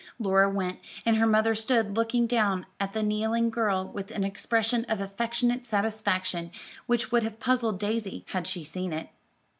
Laura went, and her mother stood looking down at the kneeling girl with an expression of affectionate satisfaction which would have puzzled Daisy, had she seen it.